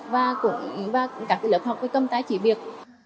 và các lớp học cầm tay chỉ việc